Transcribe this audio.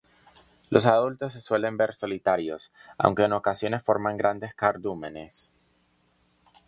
Los adultos se suelen ver solitarios, aunque en ocasiones forman grandes cardúmenes.